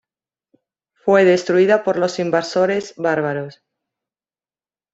Fue destruida por los invasores bárbaros.